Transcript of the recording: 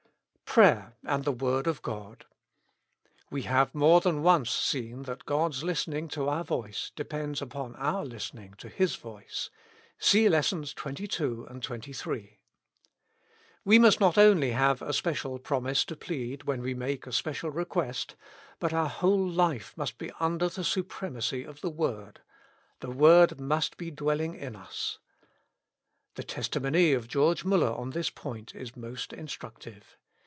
Prayer and thk Word of God. "We have more than once seen that God's listening to our voice depends upon our listening to His voice. (See I^essons 22 and 23.) We must not only have a special promise to plead, when we make a special request, but our whole life must be under the supremacy of the word : the word must be dwelling in us. The testimony of George MuUer on this point is most instructive.